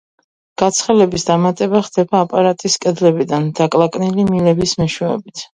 გაცხელების დამატება ხდება აპარატის კედლებიდან, დაკლაკნილი მილების მეშვეობით.